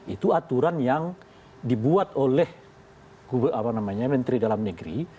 itu aturan yang dibuat oleh menteri dalam negeri